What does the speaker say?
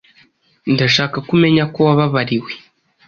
Ndashaka ko umenya ko wababariwe.